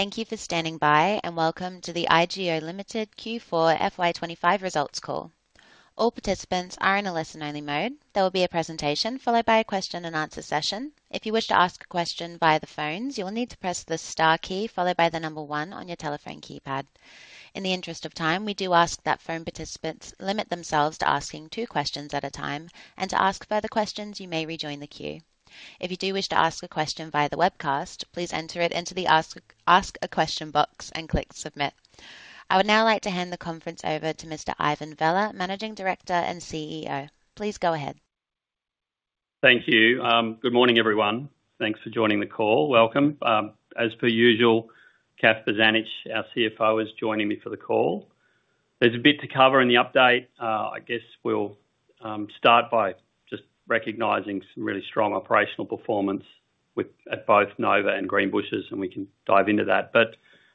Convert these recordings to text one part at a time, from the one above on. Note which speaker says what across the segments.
Speaker 1: Thank you for standing by and welcome to the IGO Limited Q4 FY 2025 results call. All participants are in a listen-only mode. There will be a presentation followed by a question-and-answer session. If you wish to ask a question via the phones, you will need to press the star key followed by the number one on your telephone keypad. In the interest of time, we do ask that phone participants limit themselves to asking two questions at a time, and to ask further questions, you may rejoin the queue. If you do wish to ask a question via the webcast, please enter it into the ask a question box and click submit. I would now like to hand the conference over to Mr. Ivan Vella, Managing Director and CEO. Please go ahead.
Speaker 2: Thank you. Good morning, everyone. Thanks for joining the call. Welcome. As per usual, Kathleen Bozanic, our CFO, is joining me for the call. There's a bit to cover in the update. I guess we'll start by just recognizing some really strong operational performance with both Nova and Greenbushes, and we can dive into that.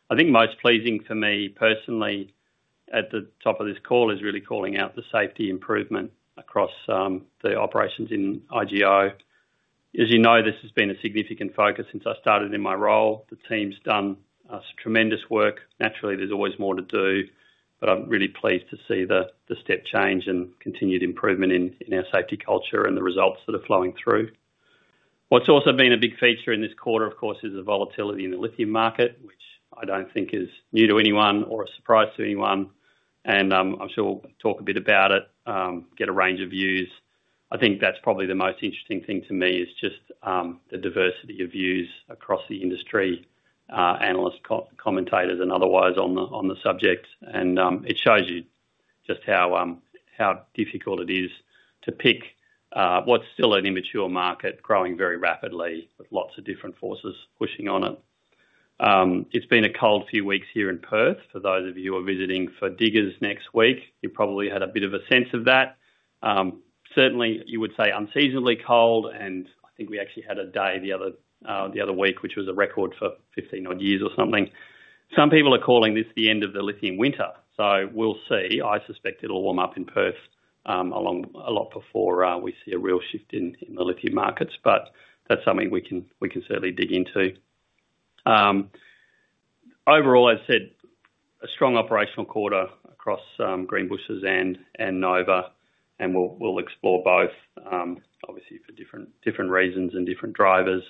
Speaker 2: I think most pleasing for me personally at the top of this call is really calling out the safety improvement across the operations in IGO. As you know, this has been a significant focus since I started in my role. The team's done tremendous work. Naturally, there's always more to do, but I'm really pleased to see the step change and continued improvement in our safety culture and the results that are flowing through. What's also been a big feature in this quarter is the volatility in the lithium market, which I don't think is new to anyone or a surprise to anyone. I'm sure we'll talk a bit about it, get a range of views. I think that's probably the most interesting thing to me, just the diversity of views across the industry, analysts, commentators, and otherwise on the subject. It shows you just how difficult it is to pick what's still an immature market growing very rapidly with lots of different forces pushing on it. It's been a cold few weeks here in Perth. For those of you who are visiting for Diggers next week, you probably had a bit of a sense of that. Certainly, you would say unseasonably cold, and I think we actually had a day the other week, which was a record for 15 odd years or something. Some people are calling this the end of the lithium winter. We'll see. I suspect it'll warm up in Perth a lot before we see a real shift in the lithium markets, but that's something we can certainly dig into. Overall, I've said a strong operational quarter across Greenbushes and Nova, and we'll explore both, obviously for different reasons and different drivers.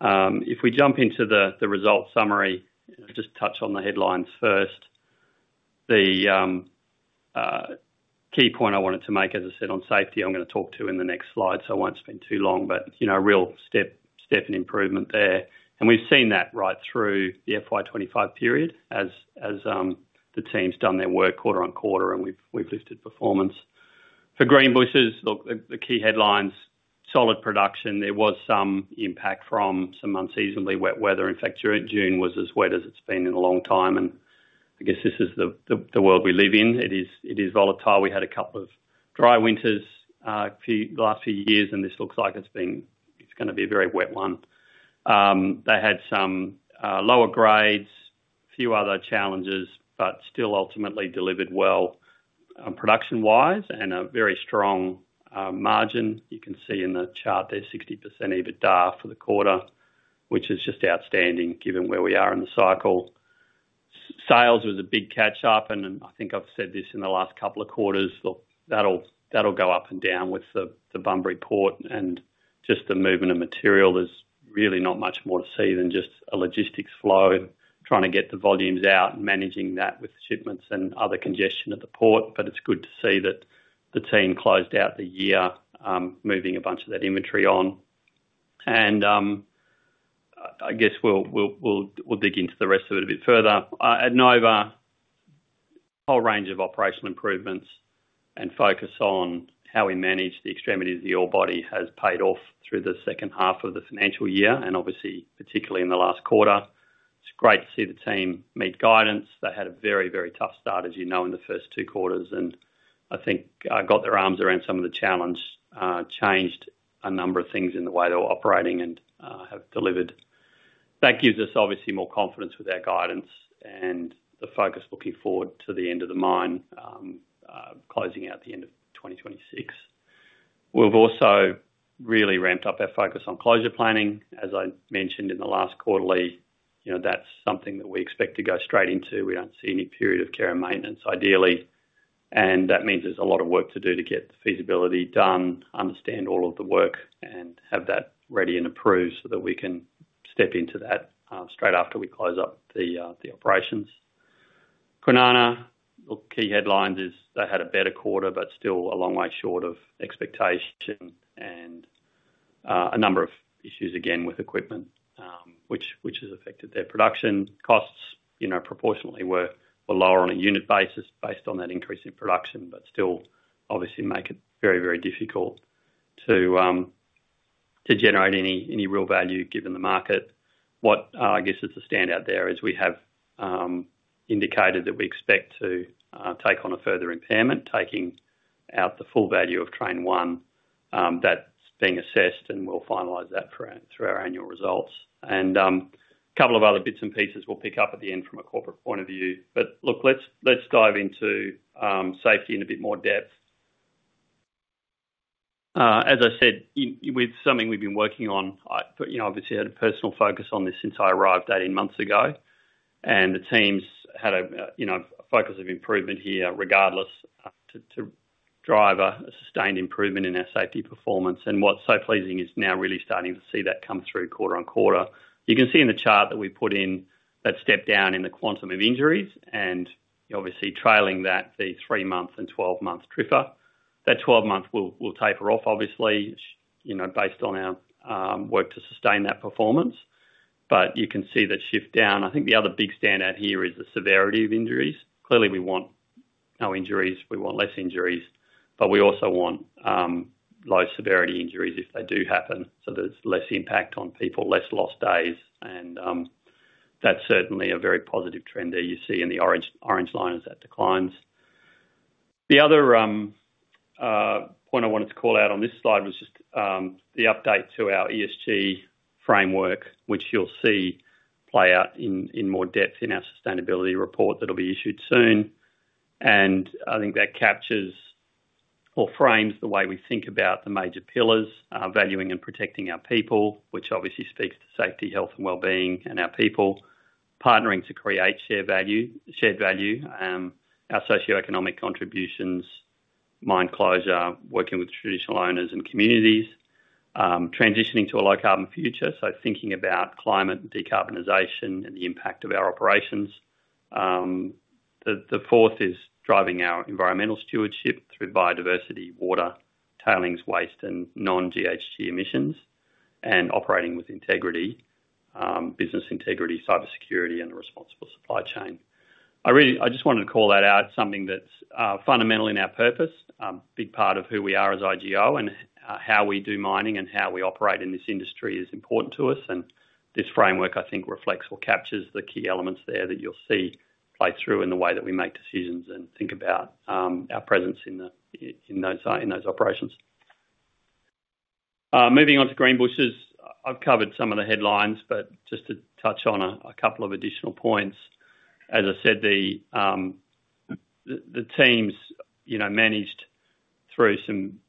Speaker 2: If we jump into the results summary, just touch on the headlines first. The key point I wanted to make, as I said, on safety, I'm going to talk to in the next slide, so I won't spend too long, but you know, a real step in improvement there. We've seen that right through the FY 2025 period as the team's done their work quarter on quarter, and we've lifted performance. For Greenbushes, look, the key headlines, solid production. There was some impact from some unseasonably wet weather. In fact, June was as wet as it's been in a long time, and I guess this is the world we live in. It is volatile. We had a couple of dry winters the last few years, and this looks like it's going to be a very wet one. They had some lower grades, a few other challenges, but still ultimately delivered well production-wise and a very strong margin. You can see in the chart there 60% EBITDA for the quarter, which is just outstanding given where we are in the cycle. Sales was a big catch-up, and I think I've said this in the last couple of quarters. That'll go up and down with the Bunbury port and just the movement of material. There's really not much more to see than just a logistics flow and trying to get the volumes out and managing that with shipments and other congestion at the port. It's good to see that the team closed out the year moving a bunch of that inventory on. I guess we'll dig into the rest of it a bit further. At Nova, a whole range of operational improvements and focus on how we manage the extremities of the ore body has paid off through the second half of the financial year, and obviously, particularly in the last quarter. It's great to see the team meet guidance. They had a very, very tough start, as you know, in the first two quarters, and I think got their arms around some of the challenge, changed a number of things in the way they were operating and have delivered. That gives us obviously more confidence with our guidance and the focus looking forward to the end of the mine, closing out the end of 2026. We've also really ramped up our focus on closure planning. As I mentioned in the last quarterly, that's something that we expect to go straight into. We don't see any period of care and maintenance ideally. That means there's a lot of work to do to get the feasibility done, understand all of the work, and have that ready and approved so that we can step into that straight after we close up the operations. Kwinana, key headlines is they had a better quarter, but still a long way short of expectation and a number of issues again with equipment, which has affected their production costs. Proportionately were lower on a unit basis based on that increase in production, but still obviously make it very, very difficult to generate any real value given the market. What I guess is a standout there is we have indicated that we expect to take on a further impairment, taking out the full value of train one. That's being assessed and we'll finalize that through our annual results. A couple of other bits and pieces we'll pick up at the end from a corporate point of view. Look, let's dive into safety in a bit more depth. As I said, it's something we've been working on. I obviously had a personal focus on this since I arrived 18 months ago. The team's had a focus of improvement here regardless to drive a sustained improvement in our safety performance. What's so pleasing is now really starting to see that come through quarter on quarter. You can see in the chart that we put in that step down in the quantum of injuries and obviously trailing that, the three-month and 12-month TRIFR. That 12-month will taper off, obviously, based on our work to sustain that performance. You can see that shift down. I think the other big standout here is the severity of injuries. Clearly, we want no injuries, we want less injuries, but we also want low severity injuries if they do happen so there's less impact on people, less lost days. That's certainly a very positive trend there you see in the orange lines as that declines. The other point I wanted to call out on this slide was just the update to our ESG framework, which you'll see play out in more depth in our sustainability report that'll be issued soon. I think that captures or frames the way we think about the major pillars: valuing and protecting our people, which obviously speaks to safety, health, and wellbeing and our people; partnering to create shared value, our socioeconomic contributions, mine closure, working with traditional owners and communities; transitioning to a low-carbon future, so thinking about climate and decarbonisation and the impact of our operations. The fourth is driving our environmental stewardship through biodiversity, water, tailings, waste, and non-GHG emissions, and operating with integrity, business integrity, cybersecurity, and the responsible supply chain. I just wanted to call that out, something that's fundamental in our purpose, a big part of who we are as IGO and how we do mining and how we operate in this industry is important to us. This framework, I think, reflects or captures the key elements there that you'll see play through in the way that we make decisions and think about our presence in those operations. Moving on to Greenbushes, I've covered some of the headlines, but just to touch on a couple of additional points. As I said, the teams managed through some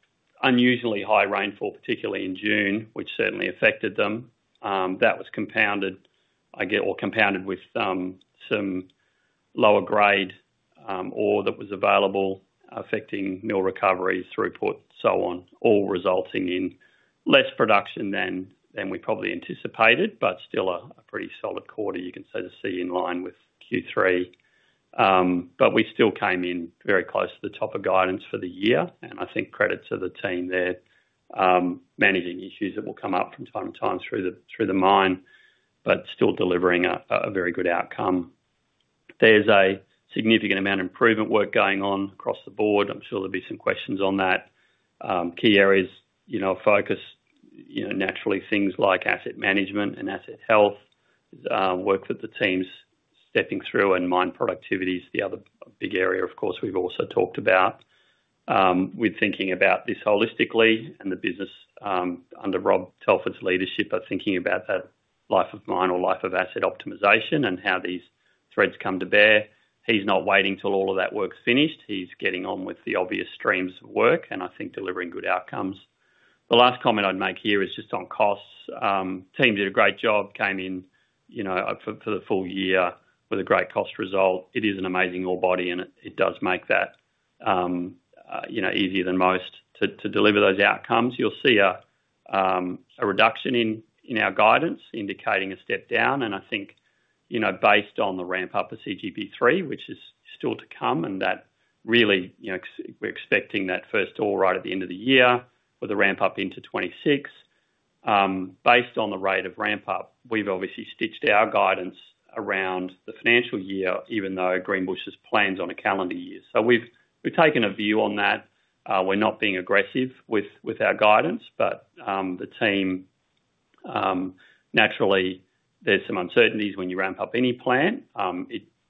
Speaker 2: unusually high rainfall, particularly in June, which certainly affected them. That was compounded, I guess, or compounded with some lower grade ore that was available affecting mill recoveries, throughput, so on, all resulting in less production than we probably anticipated, but still a pretty solid quarter. You can say to see in line with Q3. We still came in very close to the top of guidance for the year. I think credit to the team there managing issues that will come up from time to time through the mine, but still delivering a very good outcome. There's a significant amount of improvement work going on across the board. I'm sure there'll be some questions on that. Key areas of focus, you know, naturally things like asset management and asset health, work that the team's stepping through, and mine productivity is the other big area, of course, we've also talked about. We're thinking about this holistically and the business under Rob Telford's leadership are thinking about that life of mine or life of asset optimization and how these threads come to bear. He's not waiting till all of that work's finished. He's getting on with the obvious streams of work and I think delivering good outcomes. The last comment I'd make here is just on costs. Teams did a great job, came in, you know, for the full year with a great cost result. It is an amazing orebody and it does make that, you know, easier than most to deliver those outcomes. You'll see a reduction in our guidance indicating a step down. I think, you know, based on the ramp-up of CGB3, which is still to come, and that really, you know, we're expecting that first ore right at the end of the year with a ramp-up into 2026. Based on the rate of ramp-up, we've obviously stitched our guidance around the financial year, even though Greenbushes plans on a calendar year. We've taken a view on that. We're not being aggressive with our guidance, but the team naturally, there's some uncertainties when you ramp up any plan.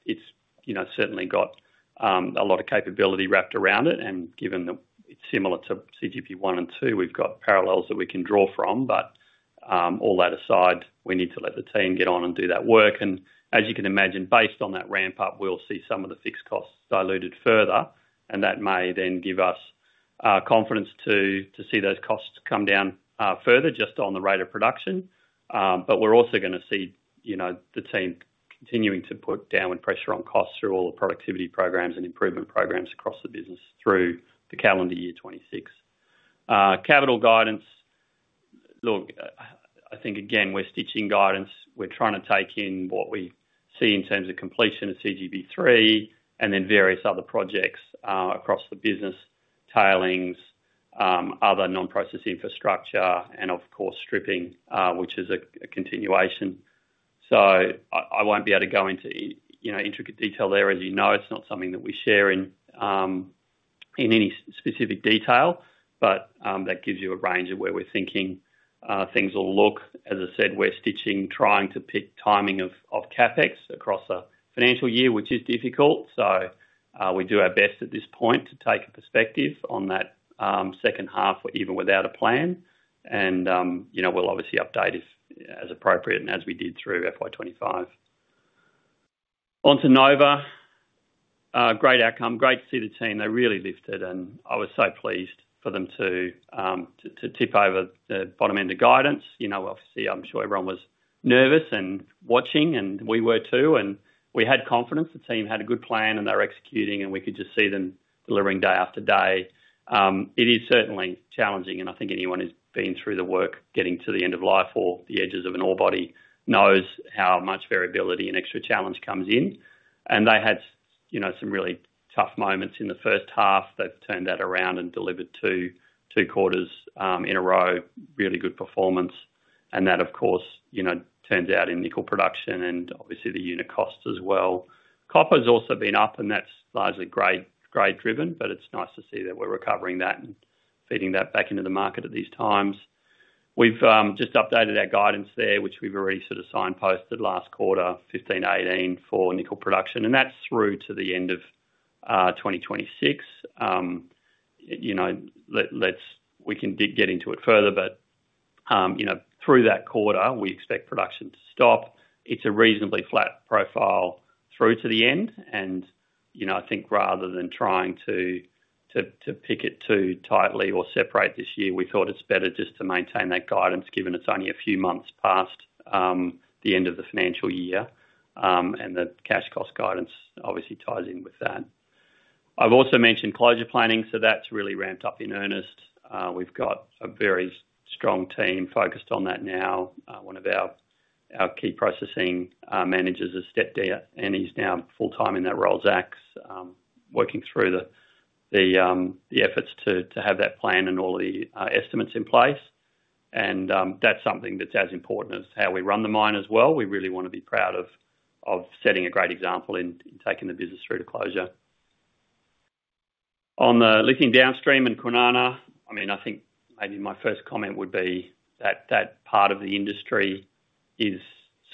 Speaker 2: It's, you know, certainly got a lot of capability wrapped around it. Given that it's similar to CGB1 and CGB2, we've got parallels that we can draw from. All that aside, we need to let the team get on and do that work. As you can imagine, based on that ramp-up, we'll see some of the fixed costs diluted further. That may then give us confidence to see those costs come down further just on the rate of production. We are also going to see the team continuing to put downward pressure on costs through all the productivity programs and improvement programs across the business through the calendar year 2026. Capital guidance, look, I think again, we are stitching guidance. We are trying to take in what we see in terms of completion of CGB3 and then various other projects across the business, tailings, other non-process infrastructure, and of course, stripping, which is a continuation. I will not be able to go into intricate detail there. As you know, it is not something that we share in any specific detail, but that gives you a range of where we are thinking things will look. As I said, we are stitching, trying to pick timing of CapEx across a financial year, which is difficult. We do our best at this point to take a perspective on that second half or even without a plan. We will obviously update if as appropriate and as we did through FY 2025. Onto Nova, great outcome. Great to see the team. They really lifted and I was so pleased for them to tip over the bottom end of guidance. Obviously, I am sure everyone was nervous and watching and we were too. We had confidence. The team had a good plan and they are executing and we could just see them delivering day after day. It is certainly challenging and I think anyone who has been through the work getting to the end of life or the edges of an ore body knows how much variability and extra challenge comes in. They had some really tough moments in the first half. They have turned that around and delivered two quarters in a row, really good performance. That, of course, turns out in nickel production and obviously the unit costs as well. Copper has also been up and that is largely grade driven, but it is nice to see that we are recovering that and feeding that back into the market at these times. We have just updated our guidance there, which we have already sort of signposted last quarter, 15,18 for nickel production. That is through to the end of 2026. We can get into it further, but through that quarter, we expect production to stop. It is a reasonably flat profile through to the end. I think rather than trying to pick it too tightly or separate this year, we thought it is better just to maintain that guidance given it is only a few months past the end of the financial year. The cash cost guidance obviously ties in with that. I've also mentioned closure planning, so that's really ramped up in earnest. We've got a very strong team focused on that now. One of our key processing managers is Rob, and he's now full-time in that role, working through the efforts to have that plan and all of the estimates in place. That's something that's as important as how we run the mine as well. We really want to be proud of setting a great example in taking the business through to closure. On the lithium downstream and Kwinana, I think maybe my first comment would be that that part of the industry is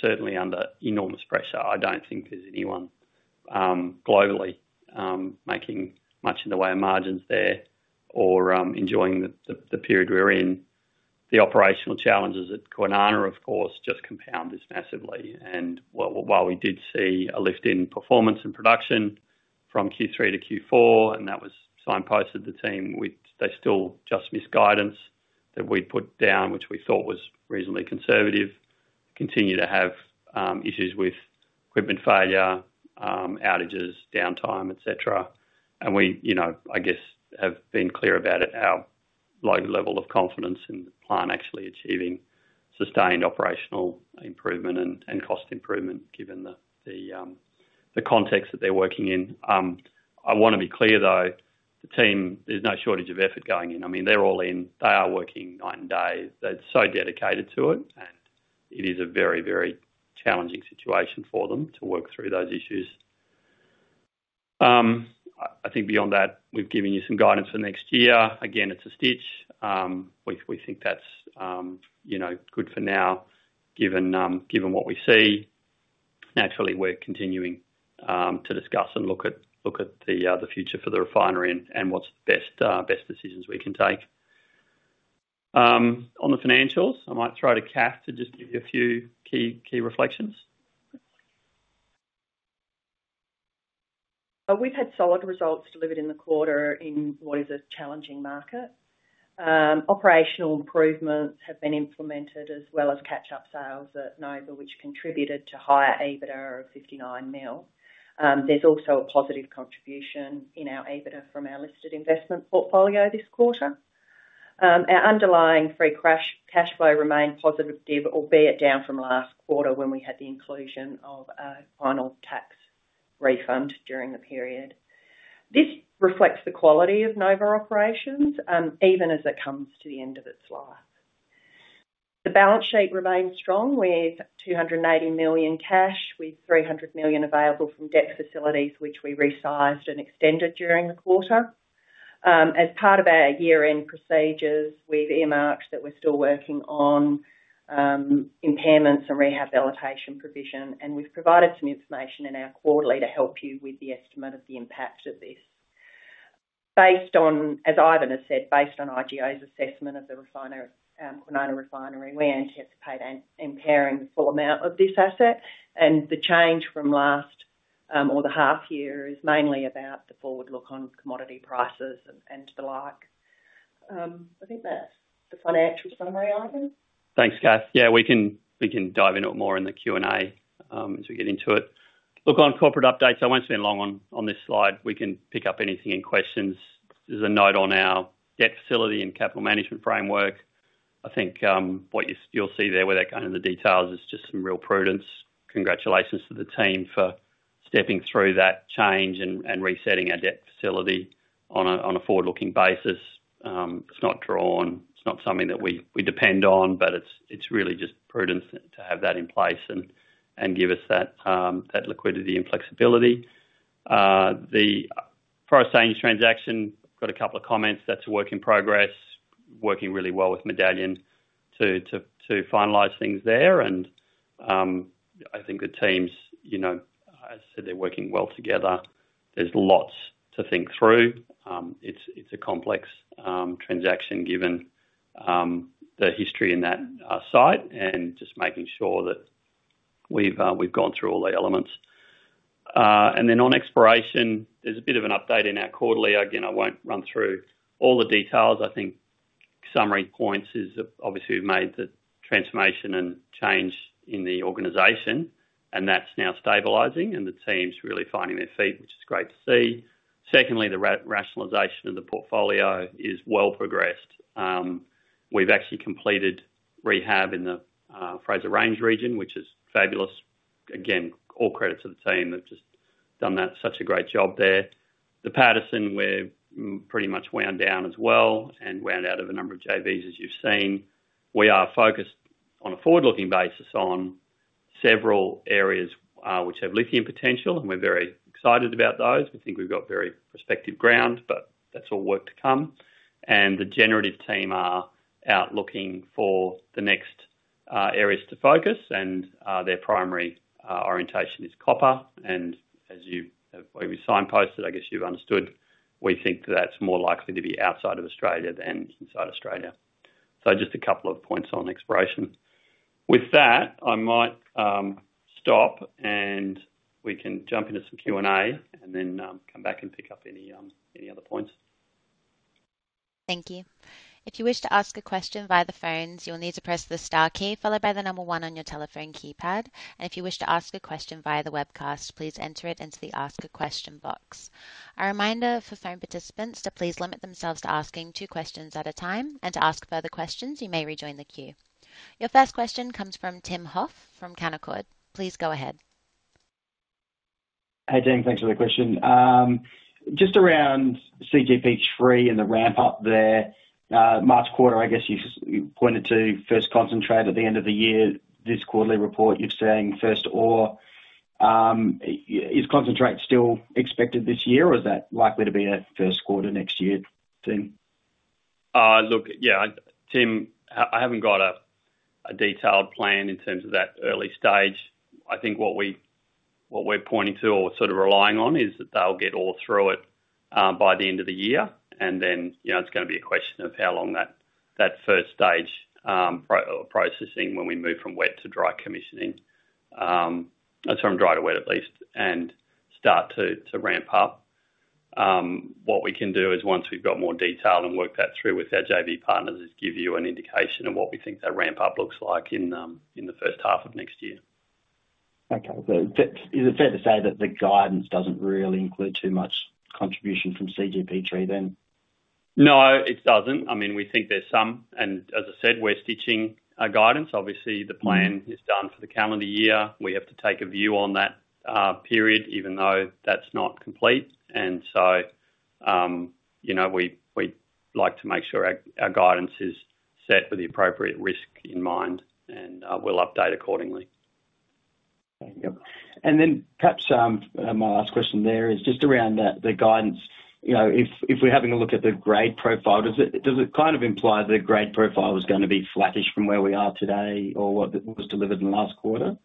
Speaker 2: certainly under enormous pressure. I don't think there's anyone globally making much in the way of margins there or enjoying the period we're in. The operational challenges at Kwinana, of course, just compound this massively. While we did see a lift in performance and production from Q3 to Q4, and that was signposted to the team, they still just missed guidance that we'd put down, which we thought was reasonably conservative. They continue to have issues with equipment failure, outages, downtime, etc. We have been clear about it, our low level of confidence in the plan actually achieving sustained operational improvement and cost improvement given the context that they're working in. I want to be clear though, the team, there's no shortage of effort going in. They're all in. They are working night and day. They're so dedicated to it, and it is a very, very challenging situation for them to work through those issues. I think beyond that, we've given you some guidance for next year. Again, it's a stitch. We think that's good for now given what we see. Naturally, we're continuing to discuss and look at the future for the refinery and what's the best decisions we can take. On the financials, I might throw it to Kath to just give you a few key reflections.
Speaker 3: We've had solid results delivered in the quarter in what is a challenging market. Operational improvements have been implemented as well as catch-up sales at Nova, which contributed to higher EBITDA of $59 million. There's also a positive contribution in our EBITDA from our listed investment portfolio this quarter. Our underlying free cash flow remained positive, albeit down from last quarter when we had the inclusion of a final tax refund during the period. This reflects the quality of Nova operations, even as it comes to the end of its life. The balance sheet remains strong with $280 million cash, with $300 million available from debt facilities, which we resized and extended during the quarter. As part of our year-end procedures, we've earmarked that we're still working on impairments and rehabilitation provision, and we've provided some information in our quarterly to help you with the estimate of the impact of this. Based on, as Ivan has said, based on IGO's assessment of the Kwinana refinery, we anticipate impairing the full amount of this asset. The change from last or the half year is mainly about the forward look on commodity prices and the like. I think that's the financial summary, Ivan.
Speaker 2: Thanks, Kath. Yeah, we can dive into it more in the Q&A as we get into it. Look, on corporate updates, I won't spend long on this slide. We can pick up anything in questions. There's a note on our debt facility and capital management framework. I think what you'll see there, without going into the details, is just some real prudence. Congratulations to the team for stepping through that change and resetting our debt facility on a forward-looking basis. It's not drawn. It's not something that we depend on, but it's really just prudence to have that in place and give us that liquidity and flexibility. The price change transaction, I've got a couple of comments. That's a work in progress, working really well with Medallion to finalize things there. I think the teams, as I said, they're working well together. There's lots to think through. It's a complex transaction given the history in that site and just making sure that we've gone through all the elements. On exploration, there's a bit of an update in our quarterly. Again, I won't run through all the details. I think summary points is obviously we've made the transformation and change in the organization, and that's now stabilizing and the team's really finding their feet, which is great to see. Secondly, the rationalization of the portfolio is well progressed. We've actually completed rehab in the Fraser Range region, which is fabulous. Again, all credit to the team that have just done such a great job there. The Paterson, we're pretty much wound down as well and wound out of a number of JVs, as you've seen. We are focused on a forward-looking basis on several areas which have lithium potential, and we're very excited about those. We think we've got very prospective ground, but that's all work to come. The generative team are out looking for the next areas to focus, and their primary orientation is copper. As you have signposted, I guess you've understood, we think that that's more likely to be outside of Australia than inside Australia. Just a couple of points on exploration. With that, I might stop and we can jump into some Q&A and then come back and pick up any other points.
Speaker 1: Thank you. If you wish to ask a question via the phones, you'll need to press the star key followed by the number one on your telephone keypad. If you wish to ask a question via the webcast, please enter it into the ask a question box. A reminder for phone participants to please limit themselves to asking two questions at a time. To ask further questions, you may rejoin the queue. Your first question comes from Tim Hoff from Canaccord. Please go ahead.
Speaker 4: Hey Tim, thanks for the question. Just around CGB3 and the ramp-up there, March quarter, I guess you pointed to first concentrate at the end of the year. This quarterly report, you're saying first ore, is concentrate still expected this year or is that likely to be a first quarter next year, Tim?
Speaker 2: Look. Yeah. Tim, I haven't got a detailed plan in terms of that early stage. I think what we're pointing to or sort of relying on is that they'll get all through it by the end of the year. It's going to be a question of how long that first stage processing when we move from wet to dry commissioning, that's from dry to wet at least, and start to ramp up. What we can do is once we've got more detail and worked that through with our JV partners is give you an indication of what we think that ramp-up looks like in the first half of next year.
Speaker 4: Okay. Is it fair to say that the guidance doesn't really include too much contribution from CGB3 then?
Speaker 2: No, it doesn't. I mean, we think there's some, and as I said, we're stitching our guidance. Obviously, the plan is done for the calendar year. We have to take a view on that period, even though that's not complete. We like to make sure our guidance is set with the appropriate risk in mind, and we'll update accordingly.
Speaker 4: Okay. Yep. Perhaps my last question there is just around the guidance. If we're having a look at the grade profile, does it kind of imply that the grade profile was going to be flattish from where we are today or what was delivered in the last quarter?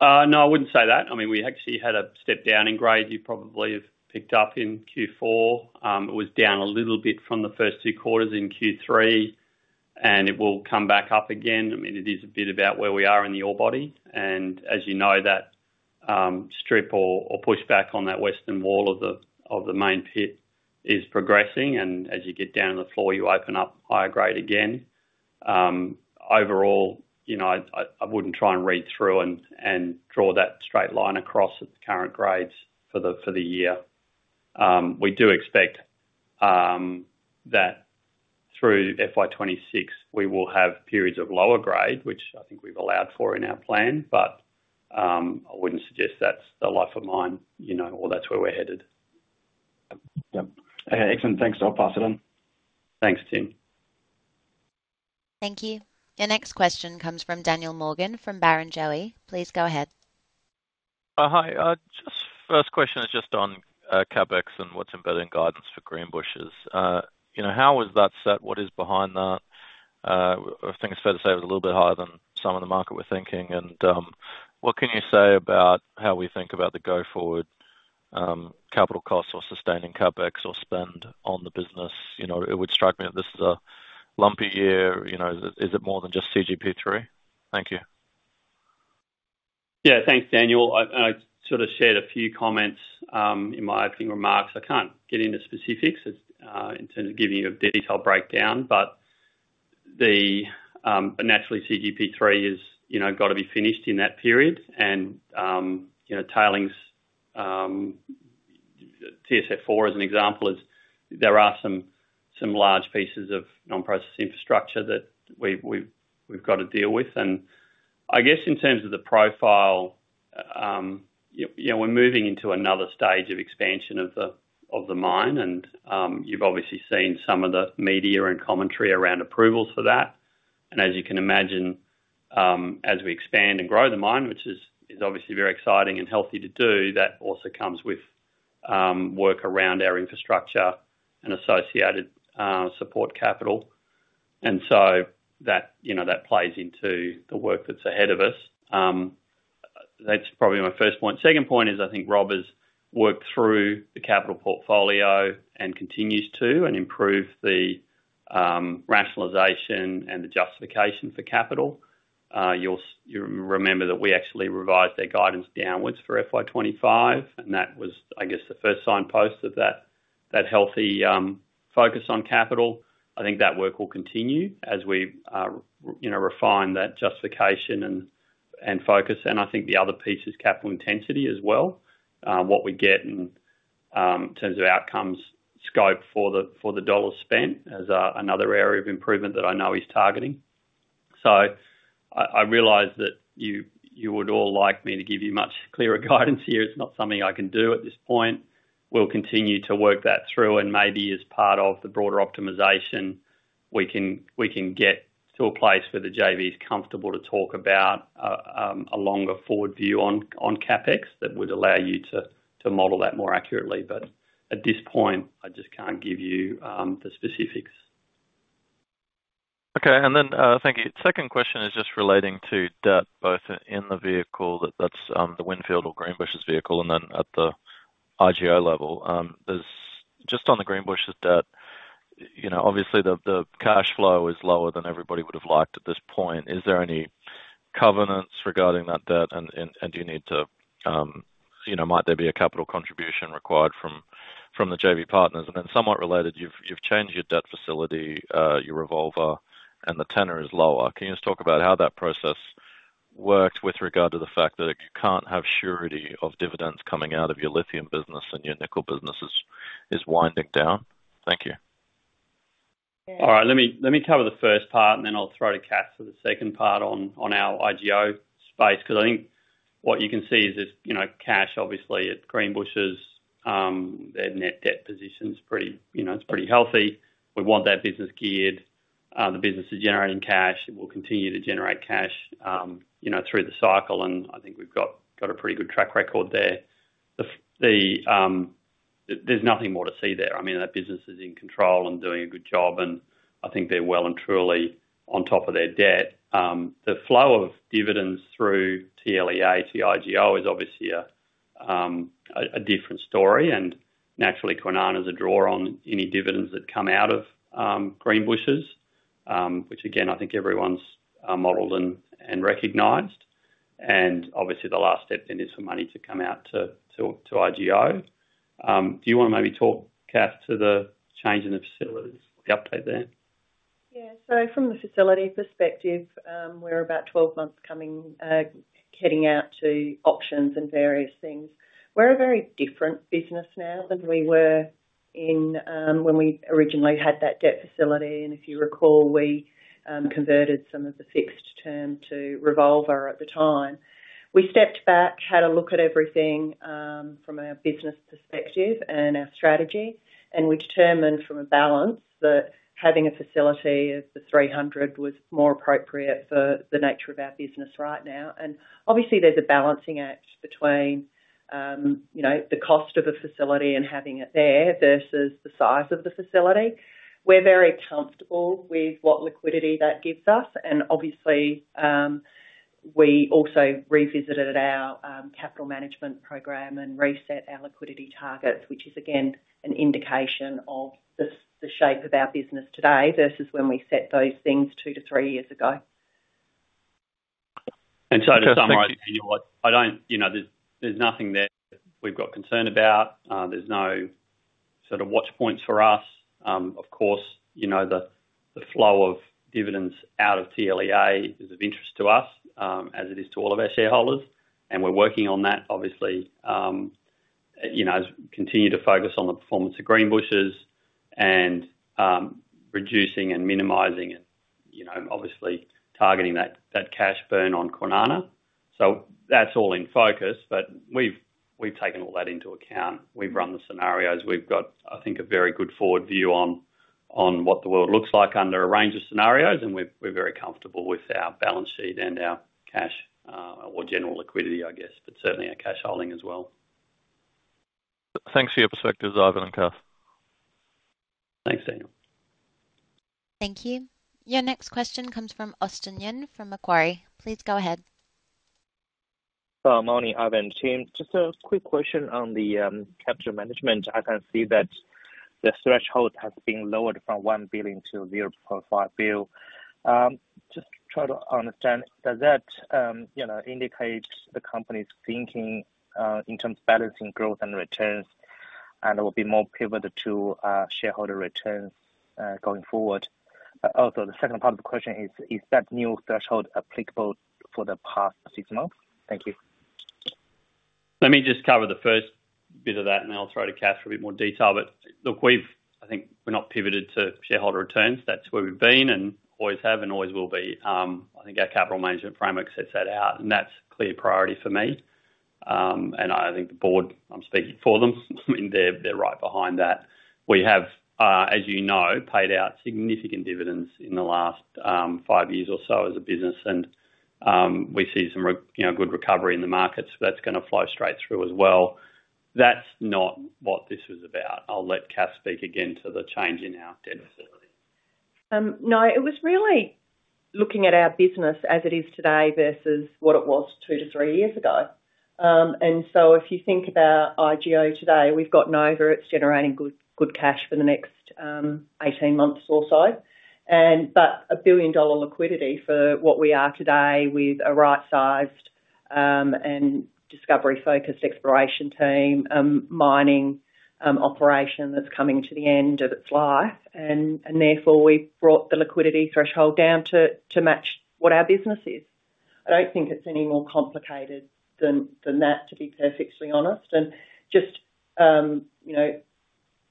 Speaker 2: No, I wouldn't say that. I mean, we actually had a step down in grade you probably have picked up in Q4. It was down a little bit from the first two quarters in Q3, and it will come back up again. It is a bit about where we are in the ore body. As you know, that strip or pushback on that western wall of the main pit is progressing. As you get down to the floor, you open up higher grade again. Overall, I wouldn't try and read through and draw that straight line across at the current grades for the year. We do expect that through FY 2026, we will have periods of lower grade, which I think we've allowed for in our plan, but I wouldn't suggest that's the life of mine or that's where we're headed. Yep. Okay. Excellent. Thanks to our partner. Thanks, Tim.
Speaker 1: Thank you. Your next question comes from Daniel Morgan from Barrenjoey. Please go ahead.
Speaker 5: Hi. Just first question is just on CapEx and what's embedded in guidance for Greenbushes. How is that set? What is behind that? I think it's fair to say it was a little bit higher than some of the market were thinking. What can you say about how we think about the go-forward capital costs or sustaining CapEx or spend on the business? It would strike me that this is a lumpy year. Is it more than just CGB3? Thank you.
Speaker 2: Yeah, thanks, Daniel. I sort of shared a few comments in my opening remarks. I can't get into specifics in terms of giving you a detailed breakdown, but naturally, CGB3 is, you know, got to be finished in that period. Tailings, TSF4 as an example, is there are some large pieces of non-process infrastructure that we've got to deal with. I guess in terms of the profile, we're moving into another stage of expansion of the mine, and you've obviously seen some of the media and commentary around approvals for that. As you can imagine, as we expand and grow the mine, which is obviously very exciting and healthy to do, that also comes with work around our infrastructure and associated support capital. That plays into the work that's ahead of us. That's probably my first point. Second point is I think Rob has worked through the capital portfolio and continues to improve the rationalization and the justification for capital. You'll remember that we actually revised their guidance downwards for FY 2025, and that was, I guess, the first signpost of that healthy focus on capital. I think that work will continue as we refine that justification and focus. I think the other piece is capital intensity as well, what we get in terms of outcomes, scope for the dollar spent as another area of improvement that I know he's targeting. I realize that you would all like me to give you much clearer guidance here. It's not something I can do at this point. We'll continue to work that through, and maybe as part of the broader optimization, we can get to a place where the JV is comfortable to talk about a longer forward view on CapEx that would allow you to model that more accurately. At this point, I just can't give you the specifics.
Speaker 5: Okay. Thank you. Second question is just relating to debt both in the vehicle that's the Greenbushes vehicle and then at the IGO level. On the Greenbushes debt, obviously the cash flow is lower than everybody would have liked at this point. Is there any covenants regarding that debt and do you need to, you know, might there be a capital contribution required from the JV partners? Somewhat related, you've changed your debt facility, your revolver, and the tenor is lower. Can you just talk about how that process worked with regard to the fact that you can't have surety of dividends coming out of your lithium business and your nickel business is winding down? Thank you.
Speaker 2: All right. Let me cover the first part and then I'll throw to Kath for the second part on our IGO space because I think what you can see is, you know, cash obviously at Greenbushes, their net debt position is pretty, you know, it's pretty healthy. We want that business geared. The business is generating cash. It will continue to generate cash, you know, through the cycle. I think we've got a pretty good track record there. There's nothing more to see there. I mean, that business is in control and doing a good job. I think they're well and truly on top of their debt. The flow of dividends through TLEA, TIGO is obviously a different story. Naturally, Kwinana is a drawer on any dividends that come out of Greenbushes, which again, I think everyone's modeled and recognized. Obviously, the last step then is for money to come out to IGO. Do you want to maybe talk, Kath, to the change in the facilities, the update there?
Speaker 3: Yeah. From the facility perspective, we're about 12 months coming, heading out to auctions and various things. We're a very different business now than we were when we originally had that debt facility. If you recall, we converted some of the fixed term to revolver at the time. We stepped back, had a look at everything from our business perspective and our strategy. We determined from a balance that having a facility of $300 million was more appropriate for the nature of our business right now. Obviously, there's a balancing act between the cost of a facility and having it there versus the size of the facility. We're very comfortable with what liquidity that gives us. We also revisited our capital management program and reset our liquidity targets, which is again an indication of the shape of our business today versus when we set those things two to three years ago.
Speaker 2: To summarize, I don't, you know, there's nothing there that we've got concern about. There's no sort of watchpoints for us. Of course, you know, the flow of dividends out of TLEA is of interest to us as it is to all of our shareholders. We're working on that, obviously, you know, as we continue to focus on the performance of Greenbushes and reducing and minimizing and, you know, obviously targeting that cash burn on Kwinana. That's all in focus, but we've taken all that into account. We've run the scenarios. We've got, I think, a very good forward view on what the world looks like under a range of scenarios. We're very comfortable with our balance sheet and our cash or general liquidity, I guess, but certainly our cash holding as well.
Speaker 5: Thanks for your perspectives, Ivan and Kathleen.
Speaker 2: Thanks, Daniel.
Speaker 1: Thank you. Your next question comes from Austin Yun from Macquarie. Please go ahead.
Speaker 6: Morning, Ivan and Tim. Just a quick question on the capital management. I can see that the threshold has been lowered from $1 billion to $0.5 billion. Just trying to understand, does that, you know, indicate the company's thinking in terms of balancing growth and returns? There will be more pivot to shareholder returns going forward. Also, the second part of the question is, is that new threshold applicable for the past six months? Thank you.
Speaker 2: Let me just cover the first bit of that, and then I'll throw to Kath for a bit more detail. Look, I think we're not pivoted to shareholder returns. That's where we've been and always have and always will be. I think our capital management framework sets that out, and that's a clear priority for me. I think the board, I'm speaking for them, I mean, they're right behind that. We have, as you know, paid out significant dividends in the last five years or so as a business, and we see some good recovery in the markets. That's going to flow straight through as well. That's not what this was about. I'll let Kath speak again to the change in our debt facility.
Speaker 3: No, it was really looking at our business as it is today versus what it was two to three years ago. If you think about IGO today, we've got Nova, it's generating good cash for the next 18 months or so. A $1 billion liquidity for what we are today with a right-sized and discovery-focused exploration team, a mining operation that's coming to the end of its life. Therefore, we brought the liquidity threshold down to match what our business is. I don't think it's any more complicated than that, to be perfectly honest. Just, you know,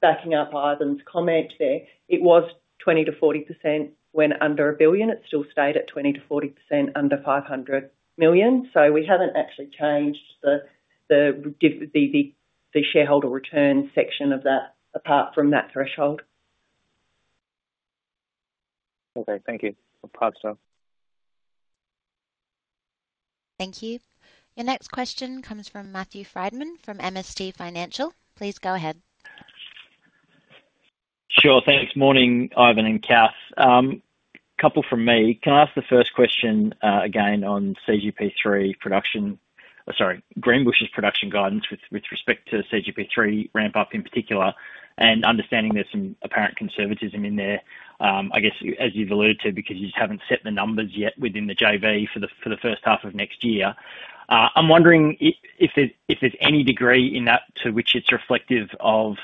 Speaker 3: backing up Ivan's comment there, it was 20%-40% when under $1 billion. It still stayed at 20%-40% under $500 million. We haven't actually changed the shareholder return section of that apart from that threshold.
Speaker 6: Okay, thank you. I'll pass it over.
Speaker 1: Thank you. Your next question comes from Matthew Frydman from MST Financial Services Please go ahead.
Speaker 7: Sure. Thanks. Morning, Ivan and Kath. A couple from me. Can I ask the first question again on CGB3 production? Sorry, Greenbushes production guidance with respect to CGB3 ramp-up in particular, and understanding there's some apparent conservatism in there, I guess, as you've alluded to, because you just haven't set the numbers yet within the JV for the first half of next year. I'm wondering if there's any degree in that to which it's reflective of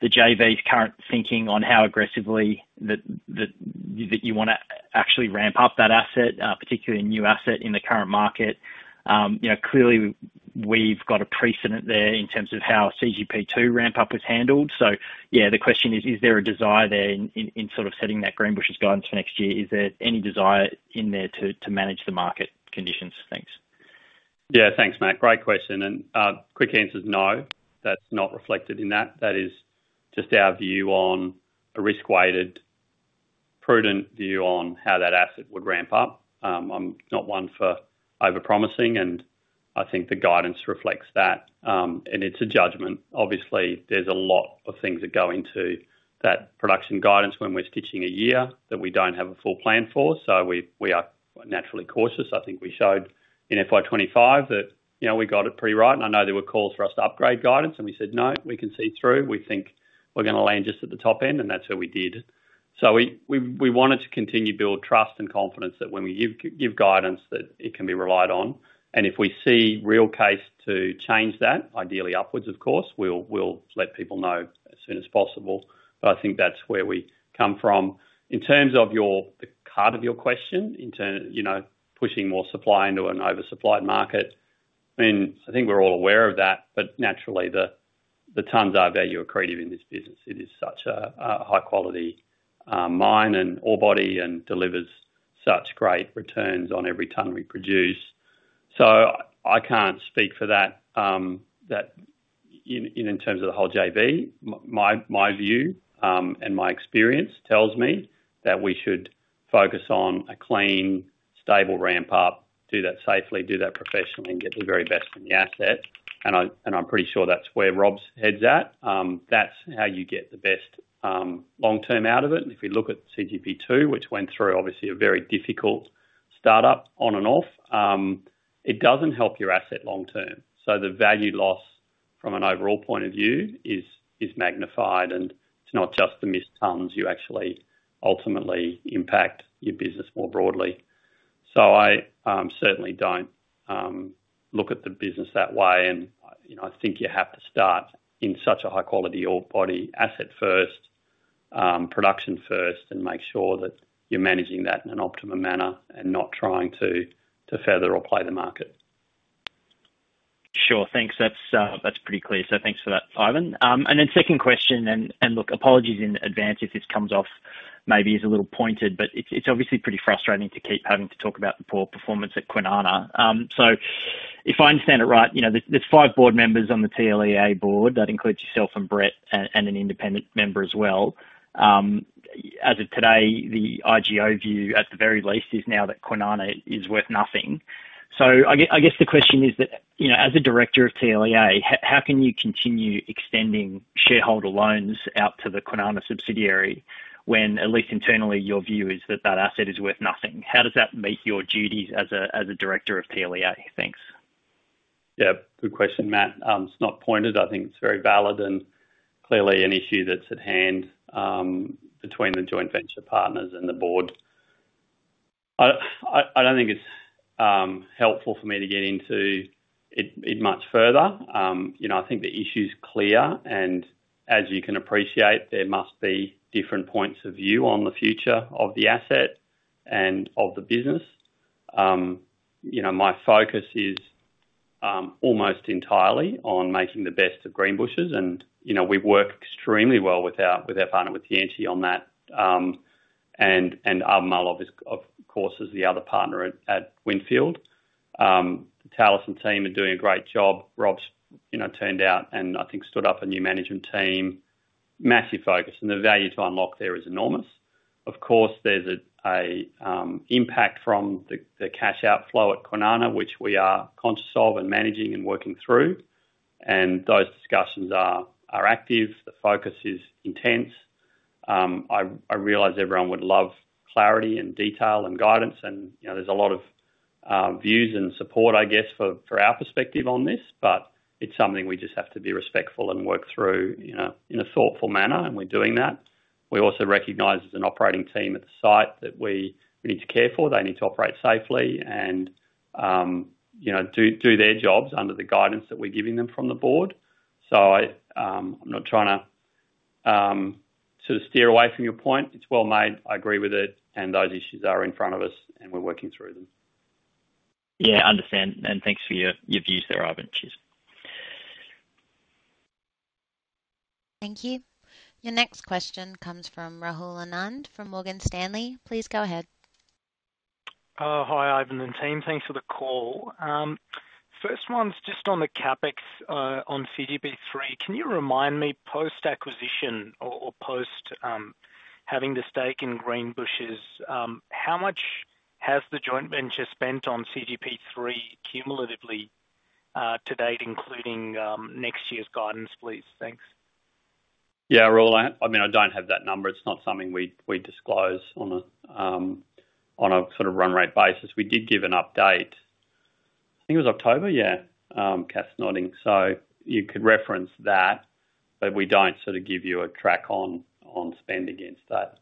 Speaker 7: the JV's current thinking on how aggressively that you want to actually ramp up that asset, particularly a new asset in the current market. You know, clearly, we've got a precedent there in terms of how CGB2 ramp-up was handled. The question is, is there a desire there in sort of setting that Greenbushes guidance for next year? Is there any desire in there to manage the market conditions? Thanks.
Speaker 2: Yeah. Thanks, Matt. Great question. Quick answer is no, that's not reflected in that. That is just our view on a risk-weighted, prudent view on how that asset would ramp up. I'm not one for over-promising, and I think the guidance reflects that. It's a judgment. Obviously, there's a lot of things that go into that production guidance when we're stitching a year that we don't have a full plan for. We are naturally cautious. I think we showed in FY 2025 that we got it pretty right. I know there were calls for us to upgrade guidance, and we said, no, we can see through. We think we're going to land just at the top end, and that's where we did. We wanted to continue to build trust and confidence that when we give guidance, that it can be relied on. If we see a real case to change that, ideally upwards, of course, we'll let people know as soon as possible. I think that's where we come from. In terms of the heart of your question, in terms of pushing more supply into an oversupplied market, I think we're all aware of that. Naturally, the tons are value created in this business. It is such a high-quality mine and ore body and delivers such great returns on every ton we produce. I can't speak for that. In terms of the whole JV, my view and my experience tells me that we should focus on a clean, stable ramp-up, do that safely, do that professionally, and get the very best in the asset. I'm pretty sure that's where Rob's head's at. That's how you get the best long-term out of it. If we look at CGB2, which went through obviously a very difficult startup on and off, it doesn't help your asset long-term. The value loss from an overall point of view is magnified, and it's not just the missed tons. You actually ultimately impact your business more broadly. I certainly don't look at the business that way. I think you have to start in such a high-quality ore body asset first, production first, and make sure that you're managing that in an optimal manner and not trying to feather or play the market.
Speaker 7: That's pretty clear. Thanks for that, Ivan. Second question, and apologies in advance if this comes off maybe as a little pointed, but it's obviously pretty frustrating to keep having to talk about the poor performance at Kwinana. If I understand it right, there's five board members on the TLEA board. That includes yourself and Brett and an independent member as well. As of today, the IGO view at the very least is now that Kwinana is worth nothing. I guess the question is that, as a director of TLEA, how can you continue extending shareholder loans out to the Kwinana subsidiary when at least internally your view is that that asset is worth nothing? How does that meet your duties as a director of TLEA? Thanks.
Speaker 2: Good question, Matt. It's not pointed. I think it's very valid and clearly an issue that's at hand between the joint venture partners and the board. I don't think it's helpful for me to get into it much further. I think the issue is clear, and as you can appreciate, there must be different points of view on the future of the asset and of the business. My focus is almost entirely on making the best of Greenbushes. We work extremely well with our partner, with TNT, on that. I'm of course, as the other partner at Winfield. The Talison team are doing a great job. Rob's turned out and I think stood up a new management team. Massive focus and the value to unlock there is enormous. Of course, there's an impact from the cash outflow at Kwinana, which we are conscious of and managing and working through. Those discussions are active. The focus is intense. I realize everyone would love clarity and detail and guidance. There's a lot of views and support, I guess, for our perspective on this, but it's something we just have to be respectful and work through in a thoughtful manner. We're doing that. We also recognize as an operating team at the site that we need to care for. They need to operate safely and do their jobs under the guidance that we're giving them from the board. I'm not trying to sort of steer away from your point. It's well made. I agree with it. Those issues are in front of us and we're working through them.
Speaker 7: I understand. Thanks for your views there, Ivan.
Speaker 1: Thank you. Your next question comes from Rahul Anand from Morgan Stanley. Please go ahead.
Speaker 8: Hi, Ivan and team. Thanks for the call. First one's just on the CapEx on CGB3. Can you remind me post-acquisition or post having the stake in Greenbushes, how much has the joint venture spent on CGB3 cumulatively to date, including next year's guidance, please? Thanks.
Speaker 2: Yeah, Rahul. I mean, I don't have that number. It's not something we disclose on a sort of run-rate basis. We did give an update. I think it was October, yeah. Kath's nodding. You could reference that, but we don't sort of give you a track on spend against that.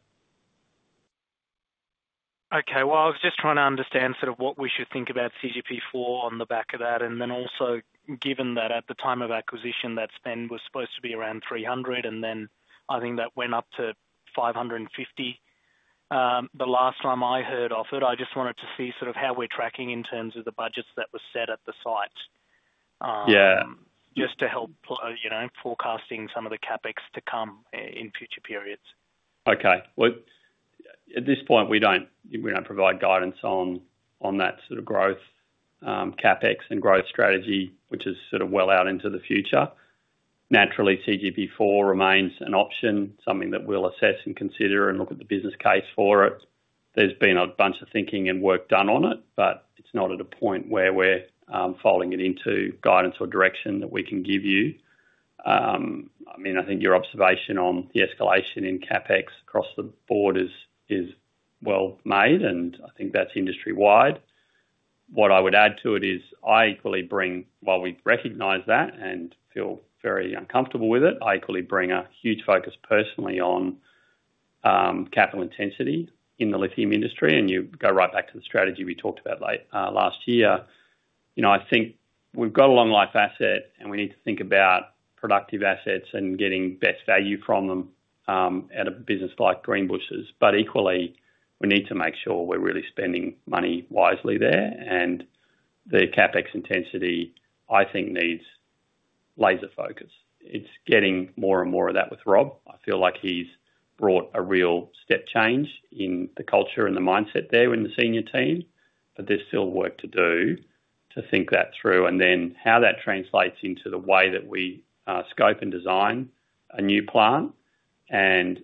Speaker 8: Okay. I was just trying to understand sort of what we should think about CGB4 on the back of that. Also, given that at the time of acquisition, that spend was supposed to be around $300 million, and then I think that went up to $550 million. The last time I heard offered, I just wanted to see sort of how we're tracking in terms of the budgets that were set at the site. Just to help, you know, forecasting some of the CapEx to come in future periods.
Speaker 2: At this point, we don't provide guidance on that sort of growth CapEx and growth strategy, which is sort of well out into the future. Naturally, CGB4 remains an option, something that we'll assess and consider and look at the business case for it. There's been a bunch of thinking and work done on it, but it's not at a point where we're folding it into guidance or direction that we can give you. I think your observation on the escalation in CapEx across the board is well made, and I think that's industry-wide. What I would add to it is I equally bring, while we recognize that and feel very uncomfortable with it, I equally bring a huge focus personally on capital intensity in the lithium industry. You go right back to the strategy we talked about late last year. I think we've got a long-life asset, and we need to think about productive assets and getting best value from them at a business like Greenbushes. Equally, we need to make sure we're really spending money wisely there. The CapEx intensity, I think, needs laser focus. It's getting more and more of that with Rob. I feel like he's brought a real step change in the culture and the mindset there in the senior team, but there's still work to do to think that through. Then how that translates into the way that we scope and design a new plant and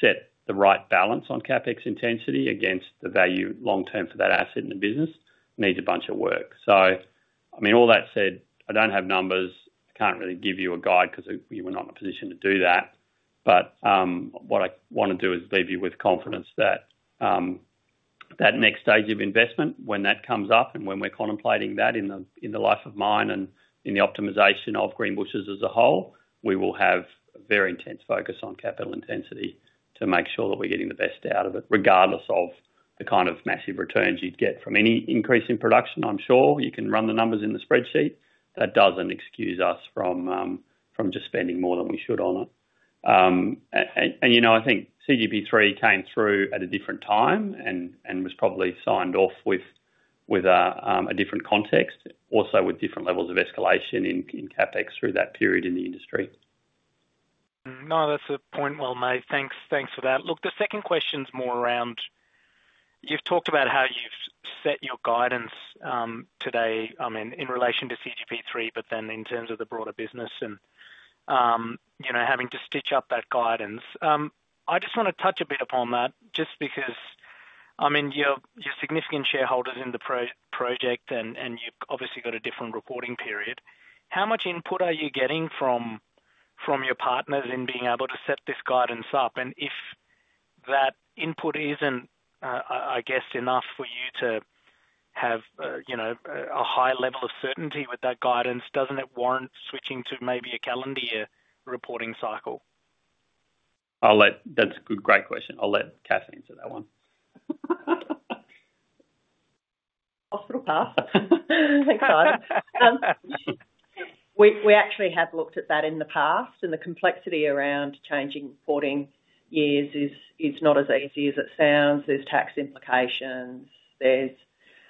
Speaker 2: set the right balance on CapEx intensity against the value long-term for that asset in the business needs a bunch of work. I don't have numbers. I can't really give you a guide because we were not in a position to do that. What I want to do is leave you with confidence that that next stage of investment, when that comes up and when we're contemplating that in the life of mine and in the optimization of Greenbushes as a whole, we will have a very intense focus on capital intensity to make sure that we're getting the best out of it, regardless of the kind of massive returns you'd get from any increase in production. I'm sure you can run the numbers in the spreadsheet. That doesn't excuse us from just spending more than we should on it. I think CGB3 came through at a different time and was probably signed off with a different context, also with different levels of escalation in CapEx through that period in the industry.
Speaker 8: That's a point well made. Thanks for that. The second question's more around you've talked about how you've set your guidance today, in relation to CGB3, but then in terms of the broader business and having to stitch up that guidance. I just want to touch a bit upon that just because you're significant shareholders in the project and you've obviously got a different reporting period. How much input are you getting from your partners in being able to set this guidance up? If that input isn't enough for you to have a high level of certainty with that guidance, doesn't it warrant switching to maybe a calendar year reporting cycle?
Speaker 2: That's a great question. I'll let Kath answer that one.
Speaker 3: I'll throw to Kath. We actually have looked at that in the past. The complexity around changing reporting years is not as easy as it sounds. There are tax implications,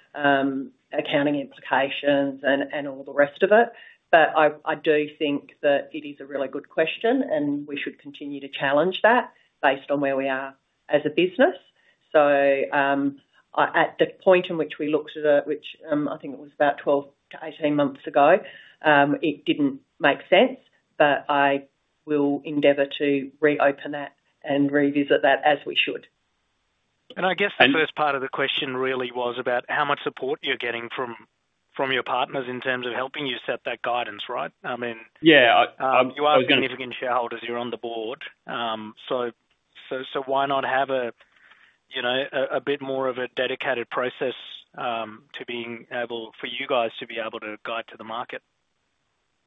Speaker 3: accounting implications, and all the rest of it. I do think that it is a really good question and we should continue to challenge that based on where we are as a business. At the point in which we looked at it, which I think was about 12 months-18 months ago, it didn't make sense, but I will endeavor to reopen that and revisit that as we should.
Speaker 8: I guess the first part of the question really was about how much support you're getting from your partners in terms of helping you set that guidance, right? I mean, you are significant shareholders, you're on the board. Why not have a bit more of a dedicated process to being able for you guys to be able to guide to the market?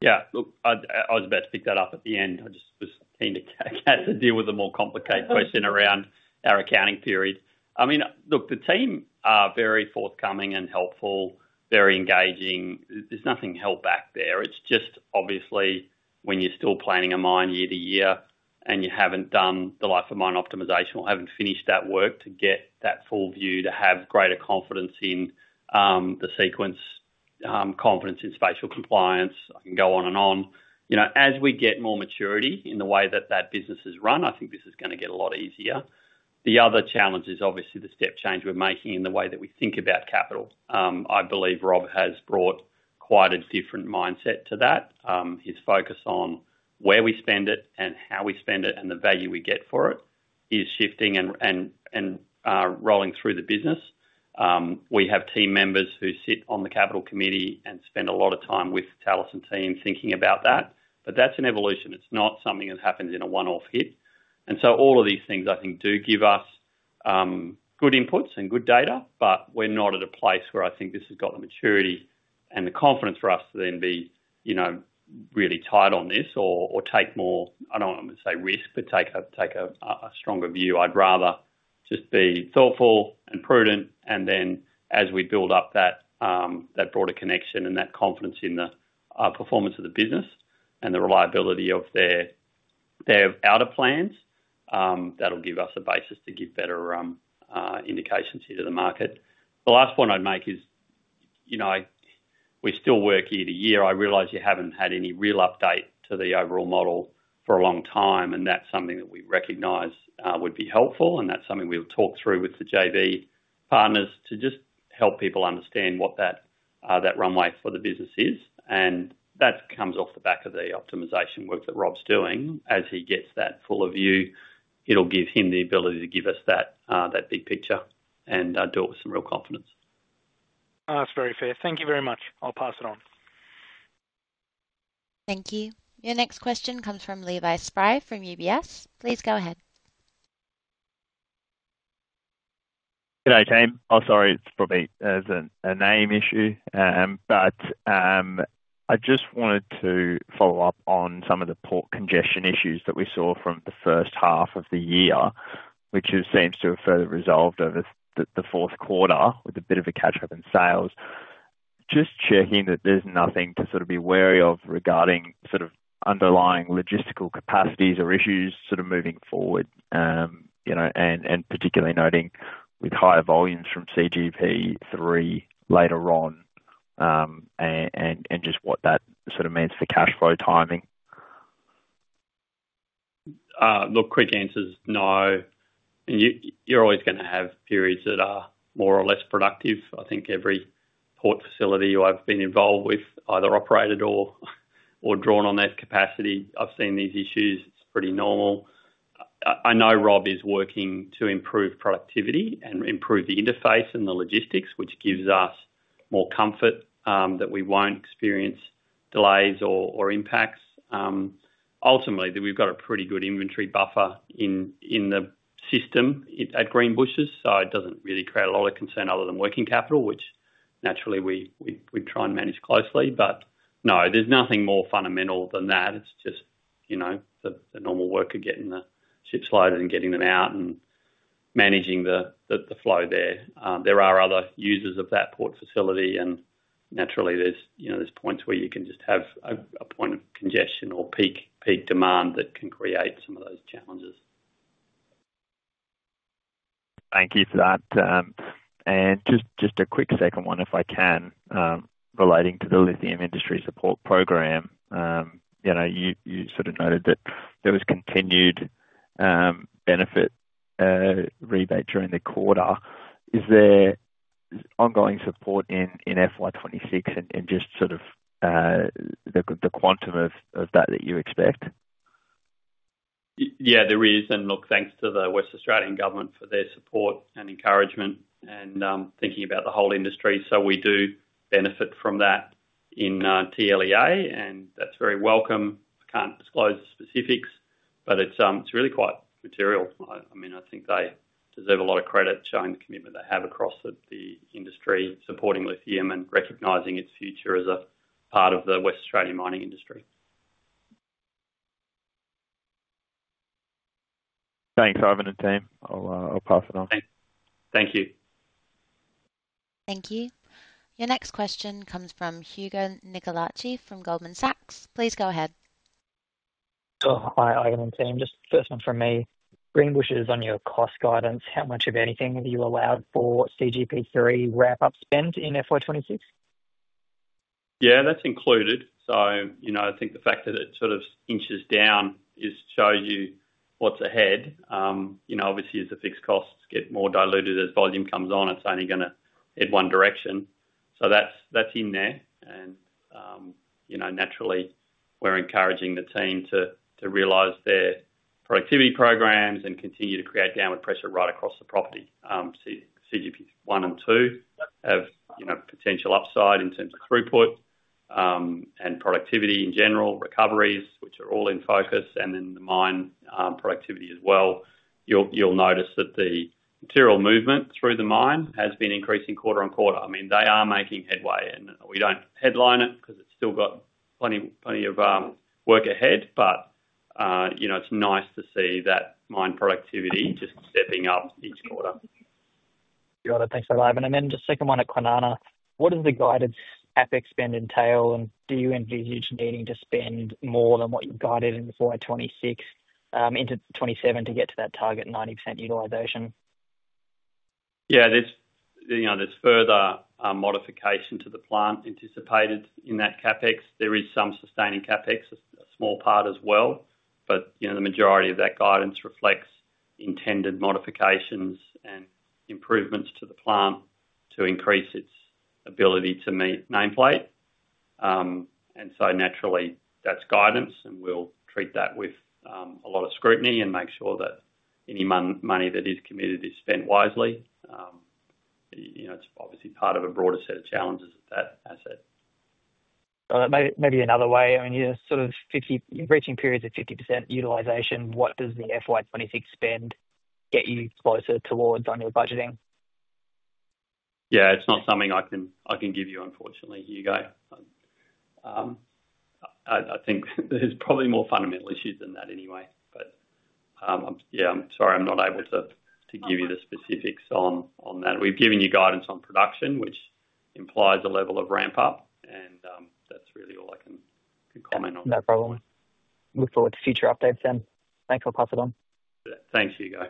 Speaker 2: Yeah. Look, I was about to pick that up at the end. I just was keen for Kath to deal with a more complicated question around our accounting periods. The team are very forthcoming and helpful, very engaging. There's nothing held back there. It's just obviously when you're still planning a mine year to year and you haven't done the life of mine optimization or haven't finished that work to get that full view to have greater confidence in the sequence, confidence in spatial compliance. I can go on and on. As we get more maturity in the way that business is run, I think this is going to get a lot easier. The other challenge is obviously the step change we're making in the way that we think about capital. I believe Rob has brought quite a different mindset to that. His focus on where we spend it and how we spend it and the value we get for it is shifting and rolling through the business. We have team members who sit on the capital committee and spend a lot of time with the Talison team thinking about that. That is an evolution. It's not something that happens in a one-off hit. All of these things do give us good inputs and good data, but we're not at a place where I think this has got the maturity and the confidence for us to then be really tight on this or take more, I don't want to say risk, but take a stronger view. I'd rather just be thoughtful and prudent. As we build up that broader connection and that confidence in the performance of the business and the reliability of their outer plans, that'll give us a basis to give better indications to the market. The last point I'd make is, we still work year to year. I realize you haven't had any real update to the overall model for a long time, and that's something that we recognize would be helpful. That's something we'll talk through with the JV partners to just help people understand what that runway for the business is. That comes off the back of the optimization work that Rob's doing. As he gets that fuller view, it'll give him the ability to give us that big picture and do it with some real confidence. That's very fair. Thank you very much. I'll pass it on.
Speaker 1: Thank you. Your next question comes from Levi Spry from UBS. Please go ahead.
Speaker 9: Good day, team. I'm sorry, it's probably a name issue, but I just wanted to follow up on some of the port congestion issues that we saw from the first half of the year, which seems to have further resolved over the fourth quarter with a bit of a catch-up in sales. Just checking that there's nothing to sort of be wary of regarding underlying logistical capacities or issues moving forward, particularly noting with higher volumes from CGB3 later on and just what that means for cash flow timing.
Speaker 2: Quick answer is no. You're always going to have periods that are more or less productive. I think every port facility I've been involved with, either operated or drawn on their capacity, I've seen these issues. It's pretty normal. I know Rob is working to improve productivity and improve the interface and the logistics, which gives us more comfort that we won't experience delays or impacts. Ultimately, we've got a pretty good inventory buffer in the system at Greenbushes, so it doesn't really create a lot of concern other than working capital, which naturally we try and manage closely. No, there's nothing more fundamental than that. It's just the normal worker getting the ships loaded and getting them out and managing the flow there. There are other users of that port facility, and naturally, there's points where you can just have a point of congestion or peak demand that can create some of those challenges.
Speaker 9: Thank you for that. Just a quick second one, if I can, relating to the lithium industry support program. You noted that there was continued benefit rebate during the quarter. Is there ongoing support in FY 2026 and the quantum of that that you expect?
Speaker 2: Yeah, there is. Thanks to the West Australian government for their support and encouragement and thinking about the whole industry. We do benefit from that in TLEA, and that's very welcome. I can't disclose the specifics, but it's really quite material. I think they deserve a lot of credit showing the commitment they have across the industry, supporting lithium and recognizing its future as a part of the West Australian mining industry. Thanks, Ivan and team. I'll pass it on. Thank you.
Speaker 1: Thank you. Your next question comes from Hugo Nicolaci from Goldman Sachs. Please go ahead.
Speaker 10: Hi, Ivan and team. Just the first one from me. Greenbushes, on your cost guidance, how much, if anything, have you allowed for CGB3 ramp-up spend in FY26?
Speaker 2: Yeah, that's included. I think the fact that it sort of inches down shows you what's ahead. Obviously, as the fixed costs get more diluted, as volume comes on, it's only going to head one direction. That's in there. Naturally, we're encouraging the team to realize their productivity programs and continue to create downward pressure right across the property. CGB1 and CGB2 have potential upside in terms of throughput and productivity in general, recoveries, which are all in focus, and then the mine productivity as well. You'll notice that the material movement through the mine has been increasing quarter on quarter. They are making headway. We don't headline it because it's still got plenty of work ahead, but it's nice to see that mine productivity just stepping up each quarter.
Speaker 10: Got it. Thanks for that, Ivan. And then just a second one at Kwinana. What does the gu0idance CapEx spend entail, and do you envisage needing to spend more than what you guided in FY 2026 into 227 to get to that target 90% utilization?
Speaker 2: Yeah, there's further modification to the plant anticipated in that CapEx. There is some sustaining CapEx, a small part as well, but the majority of that guidance reflects intended modifications and improvements to the plant to increase its ability to meet nameplate. That's guidance, and we'll treat that with a lot of scrutiny and make sure that any money that is committed is spent wisely. It's obviously part of a broader set of challenges at that asset.
Speaker 10: Maybe another way, I mean, you're sort of reaching periods of 50% utilization. What does the FY 2026 spend get you closer towards on your budgeting?
Speaker 2: It's not something I can give you, unfortunately. Here you go. I think there's probably more fundamental issues than that anyway, but I'm sorry I'm not able to give you the specifics on that. We've given you guidance on production, which implies a level of ramp-up, and that's really all I can comment on. No problem. Look forward to future updates then. Thanks. I'll pass it on. Thanks, Hugo.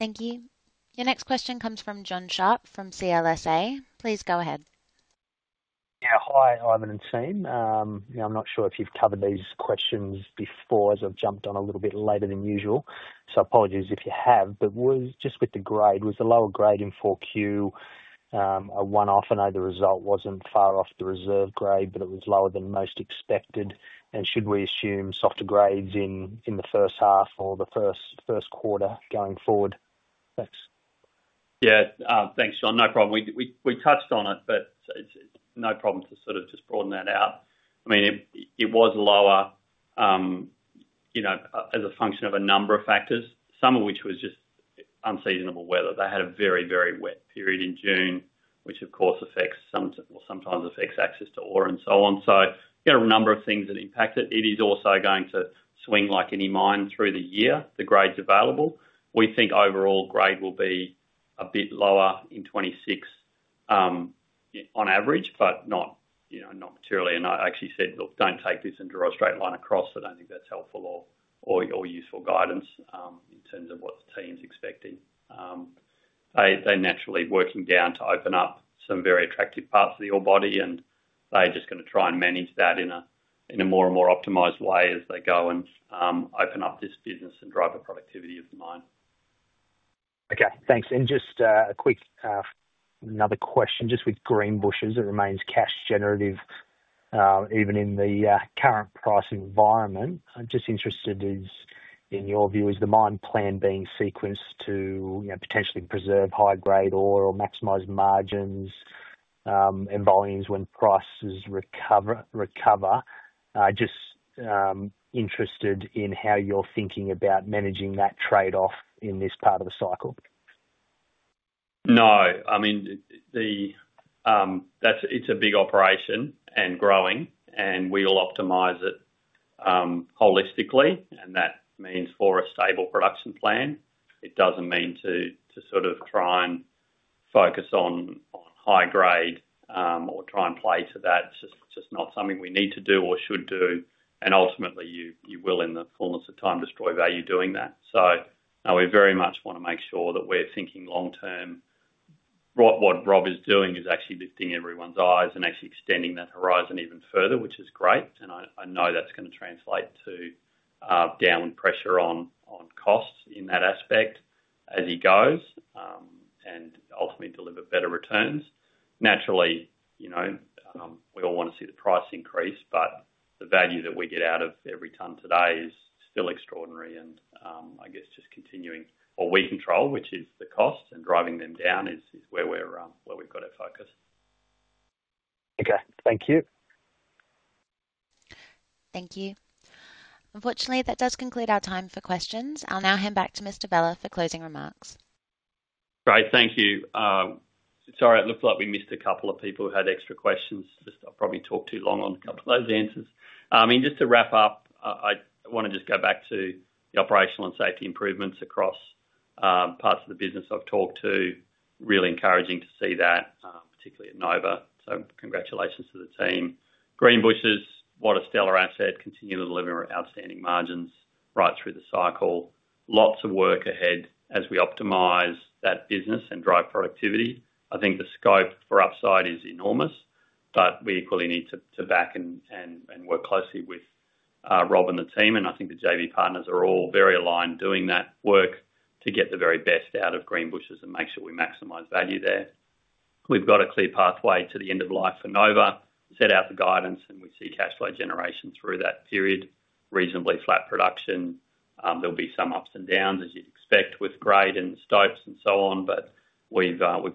Speaker 1: Thank you. Your next question comes from Jon Sharp from CLSA. Please go ahead.
Speaker 11: Yeah, hi, Ivan and team. I'm not sure if you've covered these questions before, as I've jumped on a little bit later than usual. Apologies if you have, but just with the grade, was the lower grade in 4Q a one-off? I know the result wasn't far off the reserve grade, but it was lower than most expected. Should we assume softer grades in the first half or the first quarter going forward? Thanks.
Speaker 2: Yeah, thanks, John. No problem. We touched on it, but it's no problem to just broaden that out. It was lower as a function of a number of factors, some of which was just unseasonable weather. They had a very, very wet period in June, which of course affects some, or sometimes affects access to ore and so on. We had a number of things that impact it. It is also going to swing like any mine through the year, the grades available. We think overall grade will be a bit lower in 2026 on average, but not, you know, not materially. I actually said, look, don't take this and draw a straight line across. I don't think that's helpful or useful guidance in terms of what the team's expecting. They're naturally working down to open up some very attractive parts of the ore body, and they're just going to try and manage that in a more and more optimized way as they go and open up this business and drive the productivity of the mine.
Speaker 11: Okay, thanks. Just a quick, another question, just with Greenbushes. It remains cash generative even in the current price environment. I'm just interested in your view, is the mine plan being sequenced to potentially preserve high-grade ore or maximize margins and volumes when prices recover? Just interested in how you're thinking about managing that trade-off in this part of the cycle.
Speaker 2: No, it's a big operation and growing, and we will optimize it holistically. That means for a stable production plan. It doesn't mean to try and focus on high-grade or try and play to that. It's just not something we need to do or should do. Ultimately, you will, in the fullness of time, destroy value doing that. We very much want to make sure that we're thinking long-term. What Rob is doing is actually lifting everyone's eyes and actually extending that horizon even further, which is great. I know that's going to translate to downward pressure on costs in that aspect as he goes and ultimately deliver better returns. Naturally, we all want to see the price increase, but the value that we get out of every ton today is still extraordinary. I guess just continuing what we control, which is the cost and driving them down, is where we've got our focus.
Speaker 11: Okay, thank you.
Speaker 1: Thank you. Unfortunately, that does conclude our time for questions. I'll now hand back to Mr. Vella for closing remarks.
Speaker 2: Great. Thank you. Sorry, it looked like we missed a couple of people who had extra questions. I probably talked too long on a couple of those answers. Just to wrap up, I want to go back to the operational and safety improvements across parts of the business I've talked to. Really encouraging to see that, particularly at Nova. Congratulations to the team. Greenbushes, what a stellar asset. Continue to deliver outstanding margins right through the cycle. Lots of work ahead as we optimize that business and drive productivity. I think the scope for upside is enormous, but we equally need to back and work closely with Rob and the team. I think the JV partners are all very aligned doing that work to get the very best out of Greenbushes and make sure we maximize value there. We've got a clear pathway to the end of life for Nova. Set out the guidance, and we see cash flow generation through that period. Reasonably flat production. There'll be some ups and downs, as you'd expect, with grade and stokes and so on. We've got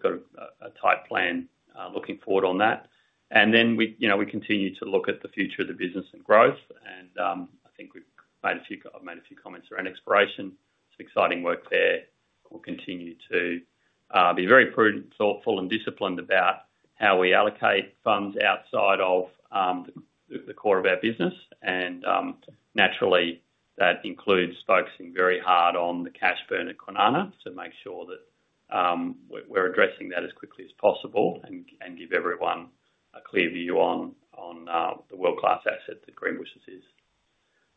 Speaker 2: a tight plan looking forward on that. We continue to look at the future of the business and growth. I think I've made a few comments around exploration. Some exciting work there. We'll continue to be very prudent, thoughtful, and disciplined about how we allocate funds outside of the core of our business. Naturally, that includes focusing very hard on the cash burn at Kwinana to make sure that we're addressing that as quickly as possible and give everyone a clear view on the world-class asset that Greenbushes is.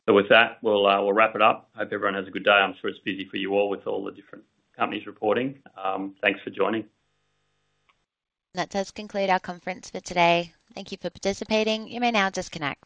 Speaker 2: With that, we'll wrap it up. Hope everyone has a good day. I'm sure it's busy for you all with all the different companies reporting. Thanks for joining.
Speaker 1: That does conclude our conference for today. Thank you for participating. You may now disconnect.